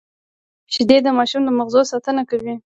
شیدې د ماشوم د مغزو ساتنه کوي